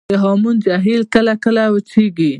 د هامون جهیلونه کله کله وچیږي